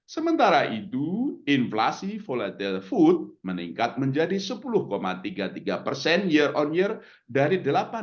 sementara itu inflasi volatil food meningkat menjadi sepuluh tiga puluh tiga persen year on year dari delapan